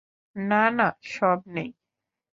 না, না, সব নেই।